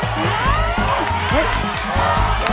เกมต่อ